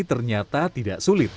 ternyata tidak sulit